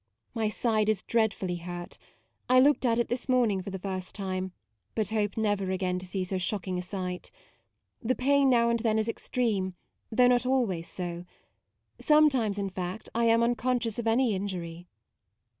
My side is dreadfully hurt ; I looked at it this morning for the first time, but hope never again to see so shock ing a sight. The pain now and then is extreme, though not always so; sometimes, in fact, I am uncon scious of any injury.